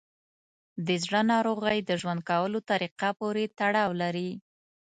د زړه ناروغۍ د ژوند کولو طریقه پورې تړاو لري.